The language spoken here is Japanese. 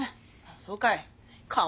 そうかい。